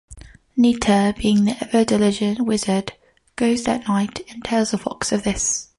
Nita, being the ever-diligent wizard, goes that night and tells a fox of this.